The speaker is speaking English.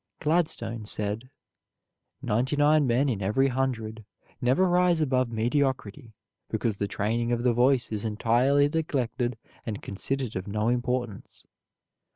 Gladstone said, "Ninety nine men in every hundred never rise above mediocrity because the training of the voice is entirely neglected and considered of no importance."